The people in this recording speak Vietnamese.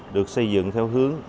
được xây dựng theo hướng